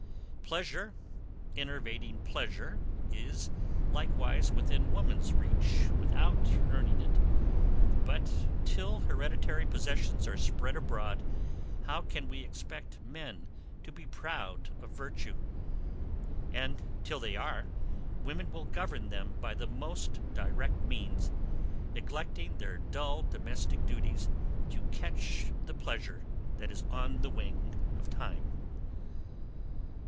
Pleasure enervating pleasure is, likewise, within woman's reach without earning it. But, till hereditary possessions are spread abroad, how can we expect men to be proud of virtue? And, till they are, women will govern them by the most direct means, neglecting their dull domestic duties, to catch the pleasure that is on the wing of time.